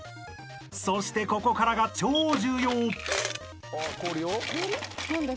［そしてここからが超重要！］